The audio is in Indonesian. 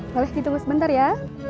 boleh ditunggu sebentar ya